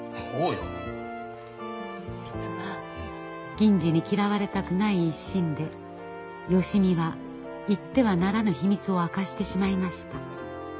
銀次に嫌われたくない一心で芳美は言ってはならぬ秘密を明かしてしまいました。